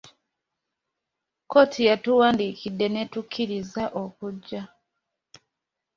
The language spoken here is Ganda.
Kkooti yatuwandiikidde ne tukkiriza okujja.